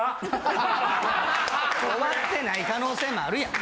終わってない可能性もあるやん。